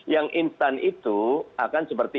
yang instan itu akan seperti